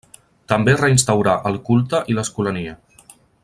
També reinstaurà el culte i l'escolania.